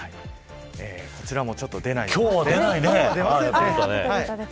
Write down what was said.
こちらもちょっと出ないですね。